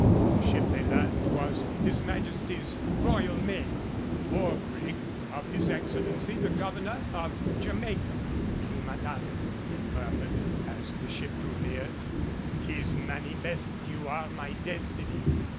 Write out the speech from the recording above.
The ship, they learned, was his Majesty's Royal Maid, war brig of his excellency the governor of Jamaica. "See, madame," he murmured as the ship drew near. "'Tis manifest you are my destiny.